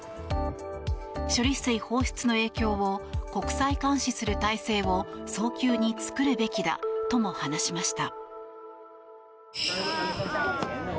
処理水放出の影響を国際監視する体制を早急に作るべきだとも話しました。